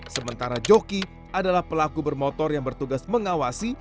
sementara joki adalah pelaku bermotor yang bertugas mengawasi